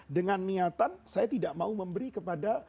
dengan niatan saya tidak mau memberi kepada